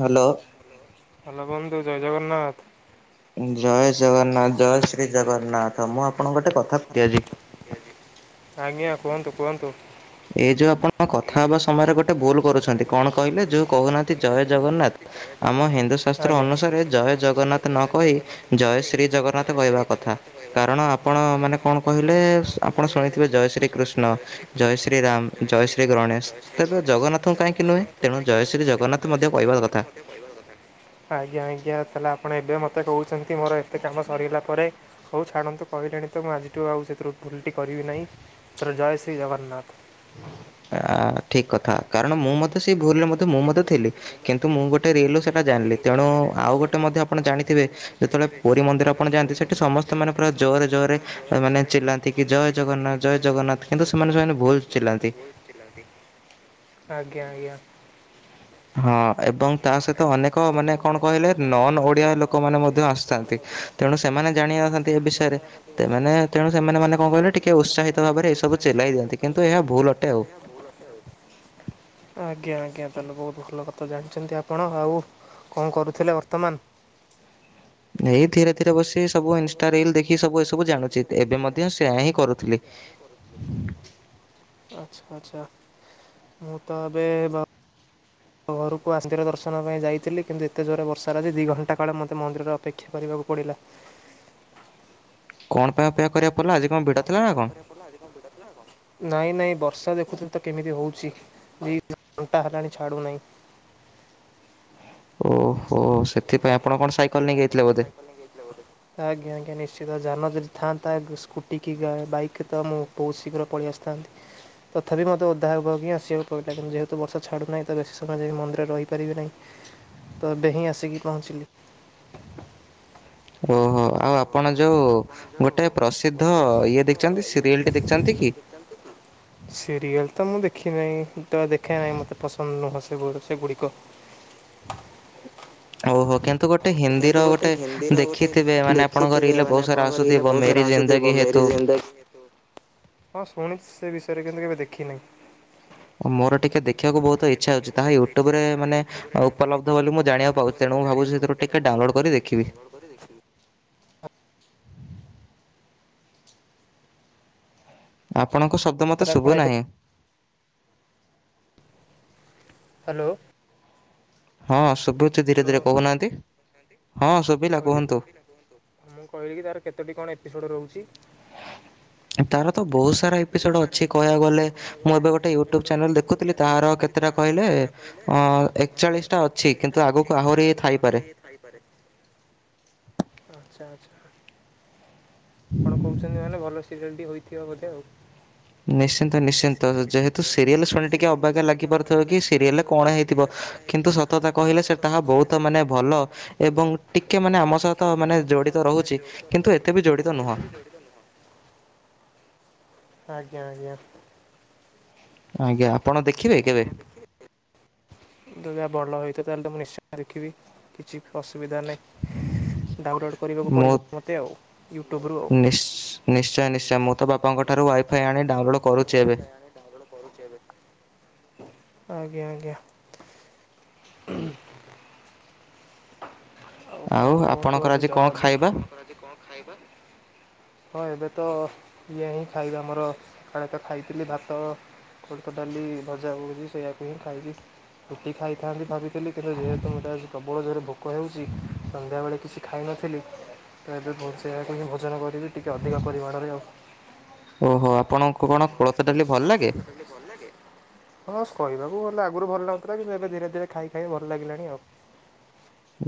Hello. Hello hello ବନ୍ଧୁ ଜୟ ଜଗନ୍ନାଥ। ଜୟ ଜଗନ୍ନାଥ ଜୟ ଶ୍ରୀ ଜଗନ୍ନାଥ ମୁଁ ଆପଣକୁ ଗୋଟେ କଥା କ୍ଳିଅର୍ଲି ଇତ୍ୟାଦି ଆଜ୍ଞା କୁହନ୍ତୁ କୁହନ୍ତୁ। ଏଇ ଯୋଉ ଆପଣ କଥା ହବା ସମୟରେ ଗୋଟେ ଭୁଲ କରୁଛନ୍ତି କଣ କହିଲେ ଯୋଉ କହୁନାହାନ୍ତି ଜୟ ଜଗନ୍ନାଥ। ଆମ ହିନ୍ଦୁ ଶାସ୍ତ୍ର ଅନୁସାରେ ଜୟ ଜଗନ୍ନାଥ ନ କହି ଜୟ ଜୟ ଶ୍ରୀ ଜଗନ୍ନାଥ କହିବା କଥା କାରଣ ଆପଣ ମାନେ କଣ କହିଲେ ଆପଣ ଶୁଣିଥିବେ ଜୟ ଶ୍ରୀ କୃଷ୍ଣ, ନା ଜୟ ଶ୍ରୀ ଶ୍ରୀରାମ ଜୟ ଶ୍ରୀ ଗଣେଶ ତେବେ ଜଗନ୍ନାଥଙ୍କୁ କାହିଁକି ନୁହେଁ ତେଣୁ ଜୟ ଶ୍ରୀ ଜଗନ୍ନାଥ ମଧ୍ୟ କହିବା କଥା। ଆଜ୍ଞା ଆଜ୍ଞା ତାଲେ ଆପଣ ଏବେ ମତେ କହୁଛନ୍ତି ମୋର ସେ କାମ ସରଗିଲା ପରେ ହୋଉ ଛାଡ଼ନ୍ତୁ କହିଲେଣି ତ ମୁଁ ଆଜିଠୁ ଆଉ ସେଥିରୁ ଭୁଲଟି କରିବି ନାହିଁ। ସାର୍ ଜୟ ଶ୍ରୀ ଜଗନ୍ନାଥ। ଆ ଠିକ୍ କଥା କାରଣ ମୁଁ ମଧ୍ୟ ସେଇ ଭୁଲରେ ମଧ୍ୟ ମୁଁ ମଧ୍ୟ ଥିଲି କିନ୍ତୁ ମୁଁ ଗୋ ଗୋଟେ ରିଲେ ସିନା ଜାଣିଲି ତଣୁ ଆଉ ଗୋଟେ ମଧ୍ୟ ଆପଣ ଜାଣିଥିବେ ଯେତଳେ ପୁରୀ ମନ୍ଦିର ଆପଣ ଯାଆନ୍ତି ସେଠି ସମସ୍ତ ମାନେ ପୁରା ଜୋରରେ ଜୋରରେ ମାନେ ଚିଲାନ୍ତି କି ଜୟ ଜଗନ୍ନାଥ ଜୟ ଜଗନ୍ନାଥ। କିନ୍ତୁ ସେମାନେ ସେମାନେ ଭୋଉତ୍ ଚିଲାନ୍ତି। ଆଜ୍ଞା ଆଜ୍ଞା। ହଁ ଏବଂ ତା ସହିତ ଅନେକ ମାନେ କଣ କହିଲେ ନନ୍ ଓଡ଼ିଆ ଲୋକମାନେ ମଧ୍ୟ ଆସିଥାନ୍ତି। ତେଣୁ ସେମାନେ ଜାଣିିନାହାନ୍ତି ଏବିଷୟରେ ସେମାନେ ତେଣୁ ସେମାନେ ମାନେ କଣ କହିଲେ ଟିକେ ଉତ୍ସାହିତ ଭାବରେ ଏସେ ଉତ୍ସାହିତ ଭାବରେ ଏ ସବୁ ଚେଲାଇ ଦିଅନ୍ତି କିନ୍ତୁ ଏହା ଭୁଲ ଅର୍ଥ ଯାଉଛି। ଆଜ୍ଞା ଆଜ୍ଞା ତାହେଲେ ବହୁତ ଭଲ କଥା ଜାଣିଛନ୍ତି ଆପଣ ଆଉ। କଣ କରୁଥିଲେ ବର୍ତ୍ତମାନ? ଏଇ ଧୀରେ ଧୀରେ ବସି ସବୁ ଇନଷ୍ଟା ରିଲ ଦେଖି ସବୁ ଏସବୁ ଜାଣୁଛି। ଏବେ ମଧ୍ୟ ସେଆ ହିଁ କରୁଥିଲି। କର ଆଛା ଆଚ୍ଛା ମୁଁ ତ ଏବେ ବା ଆଉ ଘରକୁ ଆସ୍ତିର ଦର୍ଶନ ପାଇଁ ଯାଇଥିଲି। କିନ୍ତୁ ଏତେ ଜୋରରେ ବର୍ଷା ହେଲା ଯେ ଦି ଘଣ୍ଟା କାଳେ ମୋତେ ମନ୍ଦିର ଅପେକ୍ଷା କରିବାକୁ ପଡ଼ିଲା। କଣ ପାଇଁ ଅପେକ୍ଷା କରିବାକୁ କଣ ପାଇଁ ଅପେକ୍ଷା କରିବାକୁ ପଡିଲା ଆଜି କଣ ଭିଡ଼ ଥିଲା କଣ? ନାଇଁ ନାଇଁ ବର୍ଷା ଦେଖୁଛନ୍ତି ତ କେମିତି ହଉଛି ଦି ଘଣ୍ଟା ହେଲାଣି ଛାଡ଼ୁନାହିଁ। ଓହୋ ସେଥିପାଇଁ ଆପଣ କଣ ସାଇକେଲ ନେଇକି ଯାଇଥିଲେ ବୋଧେ? ନେଇକି ଯାଇଥିଲ ବୋଧେ। ତା ଆଜ୍ଞା ଆଜ୍ଞା ନିଶ୍ଚିତ ଯାନ ଯଦି ଥାଆନ୍ତା ସ୍କୁଟି କି ବାଇକ୍ ତ ମୁଁ ବହୁତ ଶୀଘ୍ର ପଳେଇ ଆସିଥାନ୍ତି। ତଥାପି ମୋତେ ଓଦା ହେବକି ହିଁ ଆସିବାକୁ ପଇଲା। କିନ୍ତୁ ଯେହେତୁ ବର୍ଷା ଛାଡ଼ୁନାହିଁ ତ ବେଶୀ ସମୟ ଯାଇକି ମନ୍ଦିରରେ ରହିପାରିବି ନାହିଁ। ତ ଏବେ ହିଁ ଆସିକି ପହଞ୍ଚିଲି। ଓହୋ ଆଉ ଆ ଆପଣ ଯୋଉଗୋଟେ ପ୍ରସିଦ୍ଧ ଇଏ ଦେଖିଚନ୍ତି ସିରିଏଲ୍ ଟେ ଦେଖିଚନ୍ତି କି? ହ ସିରିଏଲ୍ ତ ମୁଁ ଦେଖି ନାହିଁ। ତ ଦେଖେ ନାହିଁ ମତେ ପସନ୍ଦ ନୁହଁ ସେଗୁ ସେଗୁଡ଼ିକ। ଓହୋ କେନ୍ ତ ଗୋଟେ ହିନ୍ଦୀର ଗୋଟେ ଦେଖିଥିବେ ମାନେ ଆପଣଙ୍କ ରିଲ୍ ରେ ବହୁତ ସାରା ଆସୁଥିବ ମେରି ଜିନ୍ଦେଗି ହେ ମେରି ଜିନ୍ଦେଗୀ ହେ ତୁ। ହଁ ଶୁଣିଚି ସେ ବିଷୟରେ କିନ୍ତୁ କେବେ ଦେଖିନାହିଁ। ମୋର ଟିକେ ଦେ ଦେଖିବାକୁ ବହୁତ ଇଚ୍ଛା ହଉଚି। ତାହା ୟୁଟ୍ୟୁବ ରେ ମାନେ ଉପଲବ୍ଧ ବୋଲି ମୁଁ ଜଣିବାକୁ ପାଉଚି। ତେଣୁ ମୁଁ ଭାବୁଚି ସେଥିରୁ ଟିକେ ଡାଉନଲୋଡ୍ କରି ଦେଖିବି। କରି ଦେଖିବି। ଆପଣଙ୍କ ଶବ୍ଦ ମତେ ଶୁଭୁ ନାହିଁ? ହ୍ୟାଲୋ। ହଁ ଶୁଭଛି ଧୀରେ ଧୀରେ କହୁନାହାନ୍ତି। ମୁଁ କହିଲି ମୁଁ କହିଲି କି ତାର କେତୋଟି କଣ ଏପିସୋଡ଼ ରହୁଚି? ତାର ତ ବହୁତ ସାରା ଏପିସୋଡ ଅଛି। କହିବାକୁ ଗଲେ ମୁଁ ଏବେ ଗୋଟେ ୟୁଟ୍ୟୁବ ଚ୍ୟାନେଲ୍ ଦେଖୁଥିଲି ତାର କେତେଟା କହିଲେ ଅ ଏକଚାଳିଶ ଟା ଅଛି କିନ୍ତୁ ଆଗକୁ ଆହୁରି ଥାଇପାରେ। ଆଚ୍ଛା ଆଚ୍ଛା। ଆପଣ କହୁଛନ୍ତି ମାନେ ଭଲ ସିରିଏଲ୍ ଟି ହୋଇଥିବ ବୋଧେ ଆଉ। ନିଶ୍ଚିନ୍ତ ନିଶ୍ଚିନ୍ତ। ଯେହେତୁ ସିରିଏଲ୍ ଶୁଣି ଟିକେ ଅବାଗିଆ ଲାଗିପାରୁଥିବ କି ସିରିଏଲ୍ ରେ କଣ ହେଇଥିବ। କିନ୍ତୁ ସତ କଥା କହିଲେ ସେ ତାହା ବହୁତ ମାନେ ଭଲ। ଏବଂ ଟିକେ ମାନେ ଆମ ସହତ ମାନେ ଜଡ଼ିତ ରହୁଛି, କିନ୍ତୁ ଏତେ ବି ଜଡ଼ିତ ନୁହଁ। ଆଜ୍ଞା ଆଜ୍ଞା। ଆଜ୍ଞା ଆପଣ ଦେଖ ଆଜ୍ଞା ଆପଣ ଦେଖି ଜଦୀ ଭଲ ହୋଇଥିବ ତାହେଲେ ତ ମୁଁ ନିଶ୍ଚୟ ଦେଖିବି। କିଛି ଅସୁବିଧା ନାହିଁ। ଡାଉନଲୋଡ଼୍ କରିବାକୁ ପଡ଼ିବ ମୋତେ ଆଉ, ୟୁଟ୍ୟୁବ ରୁ ଆଉ। ନିଶ୍ଚୟ ନିଶ୍ଚୟ। ମୁଁ ତ ବାପାଙ୍କଠାରୁ ୱାଇଫାଇ ଆଣି ଡାଉନଲୋଡ଼୍ କରୁଛି ଏବେ। ଡାଉନଲୋଡ଼୍ କରୁଛି ଏବେ। ଆଜ୍ଞା ଆଜ୍ଞା। [unintelligible] ଆଉ କଣ କୁହନ୍ତୁ ଆଜି ଜର ଆପଣଙ୍କର ଆଜି କଣ ଖାଇବା? ହଁ ଏବେ ତ ଇଏ ହିଁ ଖାଇବା ଆମର, ସକାଳେ ତ ଖାଇଥିଲି ଭାତ କୋଳଥ ଡାଲି ଭଜା ବୁଝି ସେଇଆକୁ ହିଁ ଖାଇଲି, ରୁଟି ଖାଇଥାନ୍ତି ଭାବି ଥିଲି କିନ୍ତୁ ଯେହେତୁ ମତେ ଆଜି ପ୍ରବଳ ଜୋରେ ଭୋକ ହେଉଛି, ସନ୍ଧ୍ୟାବେଳେ କିଛି ଖାଇନଥିଲି ତ ଏବେ ଭଲ୍ସେ ଏହାକୁ ହିଁ ଭୋଜନ କରିବି, ଟିକେ ଅଧିକ ପରିମାଣରେ ଆଉ। ଓହୋ। ଆପଣଙ୍କୁ କଣ କୋଳଥ ଡାଲି ଭଲ ଲାଗେ? ଭଲ ଲାଗେ? ହଁସ୍ କହିବାକୁ ଗଲେ ଆଗରୁ ଭଲ ଲାଗୁନଥିଲା, କିନ୍ତୁ ଏବେ ଧୀରେ ଧୀରେ ଖାଇ ଖାଇ ଭଲ ଲାଗିଲାଣି ଆଉ।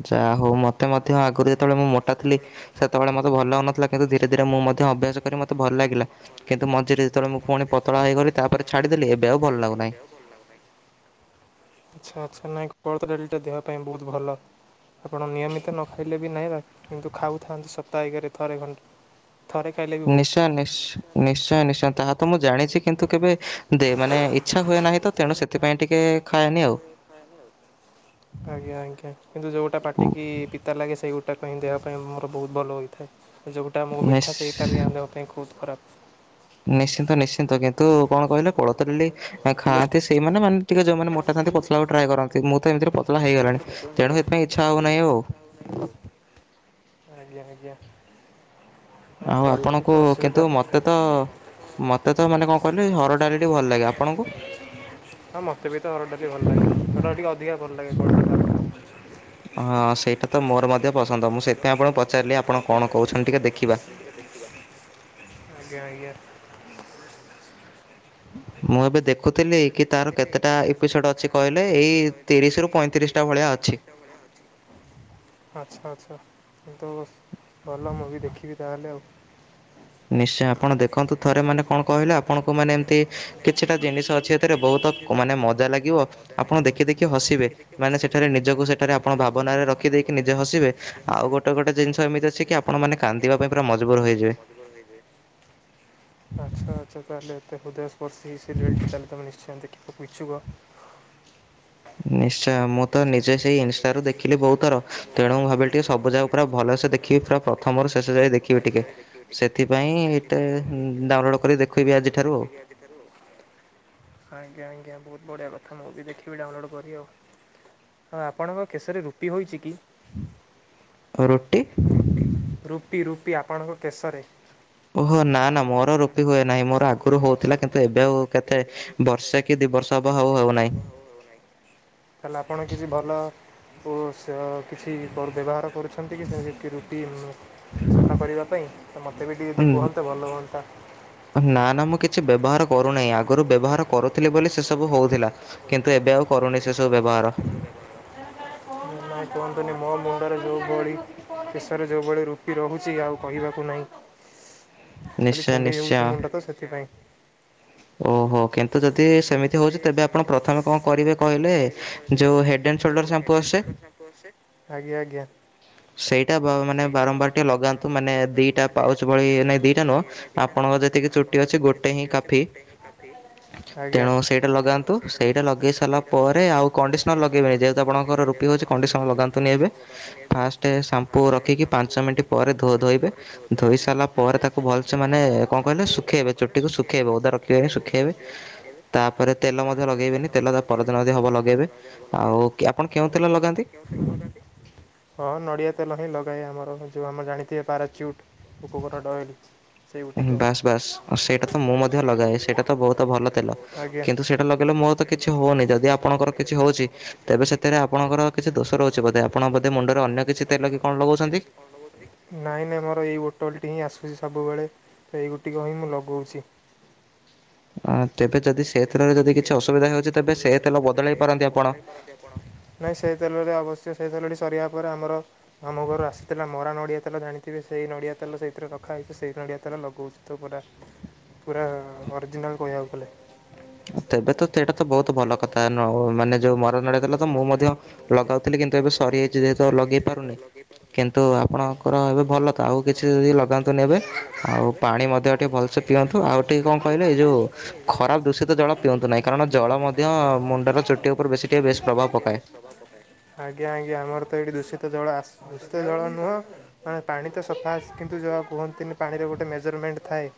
ଯାହା ହୋଉ ମତେ ମଧ୍ୟ ଆଗରୁ ଯେତେବେଳେ ମୁଁ ମୋଟା ଥିଲି ସେତେବେଳେ ମତେ ଭଲ ହଉନଥିଲା କିନ୍ତୁ ଧୀରେ ଧୀରେ ମୁଁ ମଧ୍ୟ ଅଭ୍ୟାସ କରି ମତେ ଭଲ ଲାଗିଲା। କିନ୍ତୁ ମଝିରେ ଯେତେବେଳେ ମୁଁ ପୁଣି ପତଳା ହେଇଗଲି ତାପରେ ତାପରେ ଛାଡ଼ିଦେଲି, ଏବେ ଆଉ ଭଲ ଲାଗୁନି। ଆଚ୍ଛା ଆଚ୍ଛା। ନାଇଁ କୋଳଥ ଡାଲିଟା ଦେବା ପାଇଁ ବୋହୁତ୍ ଭଲ। ଆପଣ ନିୟମିତ ନ ଖାଇଲେ ବି ନାହିଁ, ବା କିନ୍ତୁ ଖାଉଥାନ୍ତୁ ସପ୍ତା ଇକା ଥରେ ଖଣ୍ଡେ। ଥରେ ଖାଇଲେ ନିଶ୍ଚୟ, ନିସ୍- ନିଶ୍ଚୟ ନିଶ୍ଚୟ ତାହା ତ ମୁଁ ଜାଣିଛି କିନ୍ତୁ କେବେ ଦେ ମାନେ ଇଛା ହୁଏ ନାହିଁ ତ, ତେଣୁ ସେଥିପାଇଁ ଟିକେ ଖାଏନି ଆଉ। ଆଜ୍ଞା ଆଜ୍ଞା। କିନ୍ତୁ ଯଉଟା ପାଟିକି ପିତା ଲାଗେ ସେଇଗୁଟା ପାଇଁ ଦେହପାଇଁ ମୋର ବୋହୁତ୍ ଭଲ ହୋଇଥାଏ। ଯୋଉଟା ଆମକୁ ମିଠା ସେଇଟା ବି ଆମ ଦେହ ପାଇଁ ବୋହୁତ୍ ଖରାପ୍। ନିଶ୍ଚିନ୍ତ ନିଶ୍ଚିନ୍ତ, କିନ୍ତୁ କଣ କହିଲେ କୋଳଥ ଡାଲି ନାଇଁ ଖାଆନ୍ତି ସେଇମାନେ, ମାନେ ଟିକେ ଯଉମାନେ ମୋଟାଥାନ୍ତି ପତଳା ହେବାକୁ ଟ୍ରାଏ କରନ୍ତି। ମୁଁ ତ ଏମିତି ରେ ପ ପତଳା ହେଇଗଲାଣି। ତେଣୁ ଏଥିପାଇଁ ଇଚ୍ଛା ହଉନାହିଁ ଆଉ। ଆଜ୍ଞା ଆଜ୍ଞା। ଆଉ ଆପଣଙ୍କୁ କିନ୍ତୁ ମତେ ତ ମତେ ତ ମାନେ କଣ କହିଲେ, ହରଡ ଡାଲିଟି ଭଲ ଲାଗେ। ଆପଣଙ୍କୁ? ହଁ ମୋତେ ବି ତ ହରଡ ଡାଲି ଭଲ ଲାଗେ। ହେଟା ଟିକେ ଅଧିକା ଭଲ ଲାଗେ କୋଳଥ ଠାରୁ। ହଁ ସେଇଟା ତ ମୋର ମଧ୍ୟ ପସନ୍ଦ। ମୁଁ ସେଥିପାଇଁ ଆପଣଙ୍କୁ ପଚାରିଲି ଆପଣ କଣ କହୁଛନ୍ତି ଟିକେ ଦେଖିବା। ଆଜ୍ଞା, ଆଜ୍ଞା। ମୁଁ ଏବେ ଦେଖ ମୁଁ ତ ଦେଖୁଥିଲି, କି ତାର କେତେଟା ଏପିସୋଡ ଅଛି କହିଲେ? ଏଇ ତିରିସ୍ ରୁ ପଇଁତିରିଶି ଟା ଭଳିଆ ଅଛି। ଆଚ୍ଛା ଆଚ୍ଛା। କନ୍ତୁ ଭଲ ମୁଭି ଦେଖିବି ତାହେଲେ ଆଉ। ନିଶ୍ଚୟ ଆପଣ ଦେଖନ୍ତୁ ଥରେ ମାନେ କଣ କହିଲେ ଆପଣ କୋଉ ମାନେ ଏମିତି, କିଛିଟା ଜିନିଷ ଅଛି ଏଥିରେ ବହୁତ ମାନେ ମଜା ଲାଗିବ, ଆପଣ ଦେଖି ଦେଖି ହସିବେ। ମାନେ ସେଠାରେ ନିଜକୁ ସେଠାରେ, ଆପଣ ଭାବନାରେ ରଖିଦେଇକି ନିଜେ ହସିବେ। ଆଉ ଗୋଟେ ଗୋଟେ ଜିନିଷ ଏମିତି ଅଛି କି ଆ ଏମିତି ଅଛି କି, ଆପଣମାନେ କାନ୍ଦିବା ପାଇଁ ପୁରା ମଜବୁରତ ହେଇଯିବେ। ଆଚ୍ଛା ଆଚ୍ଛା, ତାହେଲେ ଏତେ ହୃଦୟ ସ୍ପର୍ଶୀ ସିରିଏଲ ଟି ତାହଲେ ତମେ ନିଶ୍ଚୟ ଦେଖିବାକୁ ଇଚ୍ଛୁକ। ନିଶ୍ଚୟ। ମୁଁ ତ ନିଜେ ସେଇ ଇନ୍ଷ୍ଟା ରୁ ଦେଖି ଥିଲି, ବହୁତ ତେଣୁ ଭାବେ ଟିକେ ସବୁ ଯାକ ପୁରା ଭଲ ସେ ଦେଖିବେ ପୁରା ପ୍ରଥମରୁ ଶେଷ ଯାଏ ଦେଖିବେ ଟିକେ, ସେଥିପାଇଁ ଡାଉନଲୋଡ଼୍ କରି ଦେଖିବି ଆ ଆଜ୍ଞା ଆଜ୍ଞା, ବୋହୁତ୍ ବଢ଼ିଆ କଥା। ମୁ ବି ଦେଖିବି ଡାଉନଲୋଡ୍ କରି ଆଉ। ହଁ ଆପଣଙ୍କ କେଶରେ ରୁପି ହୋଇଛି କି? ରୁଟି ରୁପି ରୂପି ଆପଣଙ୍କ କେଶରେ। ଓହୋ ନା ନା ମୋର ରୂପି ହୁଏ ନାହିଁ ମୋର ଆଗରୁ ହଉଥିଲା କିନ୍ତୁ ଏବେ ଆଉ କେ ଖେ ବର୍ଷେ କି ଦି ବର୍ଷ ହବ ଆଉ ହଉନାହିଁ। ତାହେଲେ ଆପଣ କିଛି ଭଲ ଓ ସାବ୍ କିଛି ବ୍ୟବହାର କରୁଛନ୍ତି କି ସେ ରୁପି ରୁପି ସଫା କରିବା ପାଇଁ ତ ମୋତେ ବି ଟିକେ ଯଦି କୁହନ୍ତେ ଭଲ ହୁଅନ୍ତା। ନା ନା ମୁଁ କିଛି ବ୍ୟବହାର କରୁନାହିଁ, ଆଗରୁ ବ୍ୟବହାର କରୁଥିଲି ବୋଲି ସେ ସବୁ ହଉଥିଲା। କିନ୍ତୁ ଏବେ ଆଉ କରୁନି ସେ ସବୁ ବ୍ୟବହାର। ନାଇଁ କୁହନ୍ତୁନି ମୋ ମୁଣ୍ଡରେ ଯୋଉ ଭଳି ଶେଷରେ ଯୋଉ ଭଳି ରୂପି ରହୁଚି ଆଉ କହିବାକୁ ନାହିଁ। ଖାଲି କୁଣ୍ଡେଇ ହଉଛି ମୁଣ୍ଡ ତ ସେଥିପାଇଁ ଓହୋ କିନ୍ତୁ ଯଦି କିନ୍ତୁ ଯଦି ସେମିତି ହଉଛି ଯଦି ଆପଣ ପ୍ରଥମେ କଣ କରିବେ କହିଲେ ଯୋଉ ହେଡେନ୍ ସୋଲଡର୍ ସାମ୍ପୁ ଆସେ ଆଜ୍ଞା ଆଜ୍ଞା। ସେଇଟା ବା ମାନେ ବାରମ୍ବାର ଟିକେ ଲଗାନ୍ତୁ ମାନେ ଦିଟା ପାଉଚ୍ ଭଳି ନାଇଁ ଦିଟା ନୁହଁ ଏଇଟା ନୁହଁ ଆପଣଙ୍କର ଯେତିକି ଚୁଟି ଅଛି ଗୋଟେ ହିଁ କାଫି। ଆଜ୍ଞା। ସେଇଟା ଲଗାନ୍ତୁ ସେଇଟା ଲଗେଇ ସାରିଲା ପରେ ଆଉ କଣ୍ଡିସନର ଲଗେଇବେନି ଯେହେତୁ ଆପଣଙ୍କର ରୁପି ହେଉଛି କଣ୍ଡିସନର ଲଗାନ୍ତୁନି ଏବେ ଫାଷ୍ଟେ ସାମ୍ପୁ ରଖିକି ପାଞ୍ଚ ମିନିଟ୍ ପରେ ଧୋ-ଧୋଇବେ ଧୋଇ ସାରିଲା ପରେ ତାକୁ ଭଲ୍ ସେ ମାନେ କଣ କହିଲେ ଶୁଖେଇବେ ଚୁଟିକୁ ଶୁଖେଇବେ ଓଦା ର ଶୁଖେଇବେ ଶୁଖେଇବେ ତାପରେ ତେଲ ମଧ୍ୟ ଲଗେଇବେନି ତେଲ ତା ପରଦିନ ଯଦି ହବ ଲଗେଇବେ ଆଉ ଆପଣ କେଉଁ ତେଲ ଲଗାନ୍ତି? ହଁ ନଡ଼ିଆ ତେଲ ହିଁ ଲଗାଏ, ଆମର ଯେଉଁ ଆମ ଜାଣିଥିବେ ପାରାଚ୍ୟୁଟ୍ କକୋନଟ୍ ଅଏଲ୍। ବାସ୍ ବାସ୍ ଆଉ ସେଇଟା ତ ମୁଁ ମଧ୍ୟ ଲଗାଏ, ସେଇଟା ତ ବହୁତ ଭଲ ତେଲ କିନ୍ତୁ ସେ ଲଗେଇଲେ ମୋର ତ କିଛି ହଉନି ଯଦି ଆପଣଙ୍କର କିଛି ହଉଛି ତେବେ ସେଥିରେ ଆପଣଙ୍କର କିଛି ଦୋଷ ରହୁଛି। କଣ ଟିକେ ଦୋଷ ରହୁଛି ବୋଧେ ଆପଣ ବୋଧେ ମୁଣ୍ଡରେ ଅନ୍ୟ କିଛି ତେଲ କି କଣ ଲଗଉଛନ୍ତି। ନାଇଁ ନାଇଁ ମୋର ଏଇ ବୋଟଲ୍ ଟି ହିଁ ଆସୁଛି ସବୁବେଳେ ତ ଏଇଗୋଟିକ ହିଁ ମୁଁ ଲଗଉଚି। ଅ ତେବେ ଯଦି ତେବେ ଯଦି ସେ ତେଲରେ ଯଦି କିଛି ଅସୁବିଧା ହେଉଛି ତେବେ ସେ ତେଲ ବଦଳେଇ ପାରନ୍ତି ଆପଣ। ନାଇଁ ସେ ତେଲରେ ଅବଶ୍ୟ ସେ ତେଲଟି ସରିବା ପରେ ଆମର ଆମ ଘରୁ ଆସିଥିଲା ମରା ନଡ଼ିଆ ତେଲ ଜାଣିଥିବେ ସେଇ ନଡିଆ ତେଲ ସେଇଥିରେ ରଖାହଇଛି ସେଇ ନଡିଆ ତେଲ ଲଗଉଛୁ। ତ ପୁରା ପୁରା ଅରିଜିନାଲ୍ କହିବାକୁ ଗଲେ। ତେବେ ତ ସେ ଏଇଟା ତ ବହୁତ ଭଲ କଥା ମାନେ ଯୋଉ ମର ନଡିଥିଲା ତ ମୁଁ ମଧ୍ୟ ଲଗାଉ ତା କିନ୍ତୁ ଏବେ ସ୍ ସରି ଯାଇଚି ଯେହେତୁ ଲଗେଇ ପାରୁନି କିନ୍ତୁ ଆପଣଙ୍କର ଏବେ ଭଲ ତ ଆଉ କିଛି ଯ ଲଗାନ୍ତୁ। ନେବେ ଆଉ ପାଣି ମଧ୍ୟ ଟିକେ ଭଲସେ ପିଅନ୍ତୁ ଆଉ ଟିକେ କଣ କହିଲେ ଏ ଯଉ ଖରାପ ଦୂଷିତ ଜଳ ପିଅନ୍ତୁ ନାହିଁ କାରଣ ଜଳ ମଧ୍ୟ ମୁଣ୍ଡର ଚୁଟି ଉପରେ ବେଶୀ ଟିକେ ବେଶ୍ ପ୍ରଭାବ ପକାଏ। ଆଜ୍ଞା ଆଜ୍ଞା ଆମର ତ ଏଇଠି ଦୂଷିତ ଜଳ ଦୂଷିତ ଜଳ ନୁହଁ। ମ ପାଣି ତ ସଫା ଅଛି କିନ୍ତୁ ଯାହା କୁହନ୍ତିନି ପାଣିରେ ଗୋଟେ ମେଜରମେଣ୍ଟ ଥାଏ।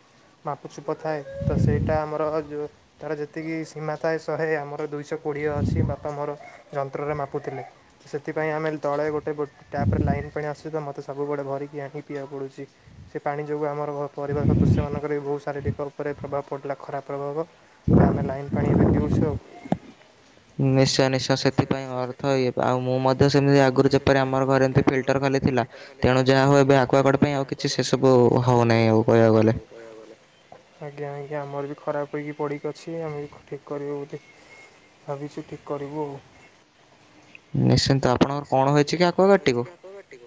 ମାପଛୁପ ଥାଏ ତ ସେଇଟା ଆମର ଯୋଉ ତାର ଯେତିକି ସୀମା ଥାଏ ଶହେ ଆମର ଦୁଇଶହ କୋଡ଼ିଏ ଅଛି ବାପା ମୋର ଯନ୍ତ୍ରରେ ମାପୁଥିଲେ। ସେଥିପାଇଁ ଆମେ ତଳେ ଗୋଟେ ଟାପ ରେ ଲାଇନ ପାଣି ଆସୁ। ମତେ ସବୁବେଳେ ଭରିକି ଆଣି ପିବାକୁ ପଡୁଛି ସେ ପାଣି ଯୋଗୁ ଆମ ପ୍ରଭାବ ପରିବାର ସଦସ୍ୟମାନଙ୍କର ବି ବହୁତ ଶାରୀରିକ ଉପରେ ପ୍ରଭାବ ପଡ଼ିଲା ଖରାପ ପ୍ରଭାବ। ତ ଆମେ ଲାଇନ ପାଣି ବି ପିଉଛୁ ଆଉ। ନିଶ୍ଚୟ ନିଶ୍ଚୟ ସେଥିପାଇଁ। ଥଇ ଆଉ ମୁଁ ମଧ୍ୟ ସେମିତି ଆଗରୁ ଯେପରି ଆମର ଘରେ ଏମିତି ଫିଲ୍ଟର ଖାଲିଥିଲା ତେଣୁ ଯାହା ହଉଏ ଏବେ ଆକ୍ୱଆଗାର୍ଡ଼ ପାଇଁ ଆଉ କ କିଛି। ପାଇଁ ଆଉ କିଛି ସେ ସବୁ ହଉନାହିଁ ହିବାକୁ ଗଲେ ଆଜ୍ଞା ଆଜ୍ଞା ମୋ ର ବି ଖରାପ ହେକି ପଡ଼ିକି ଅଛି ଆମେ ବି ଠିକ୍ କରିବୁ ବୋଲି। ଭାବିଛି ଠିକ କରିବୁ ଆଉ। ନିଶ୍ଚିନ୍ତପ ନିଶ୍ଚିନ୍ତ ଆପଣଙ୍କ ର କଣ ହେଇଛି କି ହାତକୁ କାଟିବ।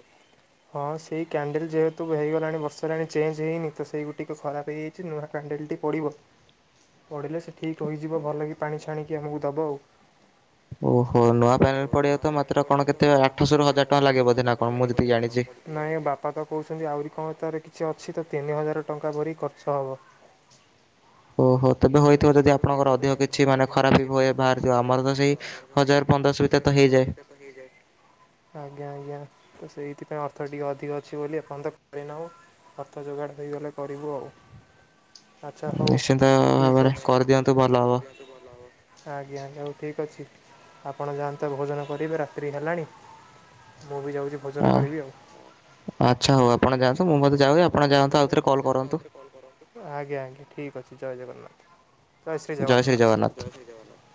ହଁ ସେଇ କ୍ୟାଣ୍ଡେଲ୍ ଯେହେତୁ ହେଇଗଲାଣି ବର୍ଷେ ହେଲାଣି ଚେଞ୍ଜ ହେଇନି ତ ସେଇ ଗୁ ଟିକ ଖରାପ ହେଇଛି। ଛି ନୂଆ କ୍ୟାଣ୍ଡେଲଟି ପଡ଼ିବ ପଡ଼ିଲେ ସେ ଠିକ୍ ହୋଇଯିବ ଭଲ କି ପାଣି ଛାଣିକି ଆମକୁ ଦେବ ଆଉ। ଓହୋ ନୁଆ ପ୍ୟାନେଲ୍ ପଡିବ ତ ମାତ୍ର କଣ କେତେ ଆଠଶହ ରୁ ହଜାର ଟଙ୍କା ଲାଗିବ ବୋଧେ ନା କଣ ମୁଁ ଯେତିକି ଜାଣିଛି। ନାହିଁ ବାପା ତ କହୁଛନ୍ତି ଆହୁରି କଣ ତାର କିଛି ଅଛି ତ ତିନି ହଜାର ଟଙ୍କା ଭରି ଖର୍ଚ୍ଚ ହେବ। [inaudible] ଓହୋ ତେବେ ହୋଇଥିବ ଯଦି ଆପଣଙ୍କର ଅଧିକ କିଛି ମାନେ ଖରାପି ବାହାରିଥିବ ଆମର ତ ସେଇ। ହଜାର ପନ୍ଦରଶହ ଭି। ହଜାର ପନ୍ଦର ଶହ ଭିତରେ ତ ହେଇଯାଏ। ଆଜ୍ଞା ଆଜ୍ଞା ତ ସେଇଥିପାଇଁ ଅର୍ଥ ଟିକେ ଅଧିକ ଅଛି ବୋଲି ଏ ପର୍ଯ୍ୟନ୍ତ କରିନାହୁଁ। ଅର୍ଥ ଯୋଗାଡ଼ ହୋଇଗଲେ କରିବୁ ଆଉ। ଆଚ୍ଛା ହଉ ଠିକ୍ ଅଛି। ଆଜ୍ଞା ଆଜ୍ଞା ହଉ ଠିକ୍ ଅଛି। ଆପଣ ଯାଆନ୍ତୁ ଭୋଜନ କରିବେ ରାତ୍ରି ହେଲାଣି ମୁଁ ବି ଯାଉଛି ଭୋଜନ କରିବି ଆଉ। ଆଚ୍ଛା ହଉ ଆପଣ ଯାଆନ୍ତୁ ମୁଁ ମଧ୍ୟ ଯାଉଛି ଆପଣ ଯାଆନ୍ତୁ ଆଉଥରେ କଲ୍ କରନ୍ତୁ। ଆଜ୍ଞା ଆଜ୍ଞା ଠିକ୍ ଅଛି ଜୟ ଜଗନ୍ନାଥ ଜୟ ଶ୍ରୀ ଜଗନ୍ନାଥ ଜୟ ଶ୍ରୀ ଜଗନ୍ନାଥ।